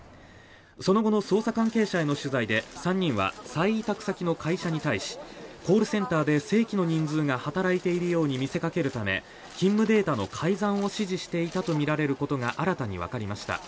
その後の捜査関係者への取材で３人は再委託先の会社に対しコールセンターで正規の人数が働いているように見せかけるため勤務データの改ざんを指示していたとみられることが新たにわかりました。